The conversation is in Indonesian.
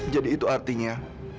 jadi itu artinya